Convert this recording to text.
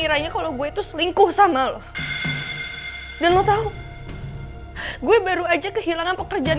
nanya kalau gue tuh selingkuh sama lo dan mau tahu gue baru aja kehilangan pekerjaan